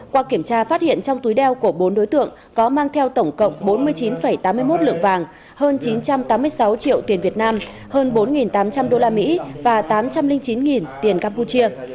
qua kiểm tra phát hiện trong túi đeo của bốn đối tượng có mang theo tổng cộng bốn mươi chín tám mươi một lượng vàng hơn chín trăm tám mươi sáu triệu tiền việt nam hơn bốn tám trăm linh usd và tám trăm linh chín tiền campuchia